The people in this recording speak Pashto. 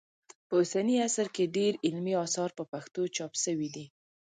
په اوسني عصر کې ډېر علمي اثار په پښتو چاپ سوي دي